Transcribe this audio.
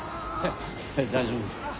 はい大丈夫です。